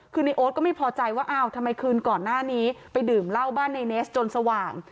คือในโอ๊ตก็ไม่พอใจว่าอ้าวทำไมคืนก่อนหน้านี้ไปดื่มเหล้าบ้านในเนสจนสว่าง